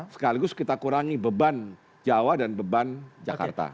sekaligus kita kurangi beban jawa dan beban jakarta